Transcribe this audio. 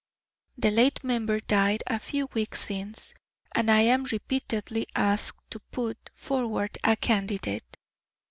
The late member died a few weeks since, and I am repeatedly asked to put forward a candidate.